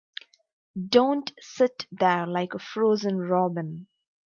Don't sit there like a frozen robin.